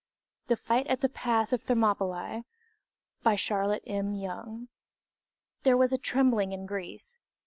THE FIGHT AT THE PASS OF THERMOPYLĆ By Charlotte M. Yonge There was trembling in Greece.